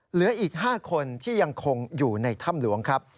เหลืออีก๕คนที่ยังคงอยู่ในถ้ำหลวงครับ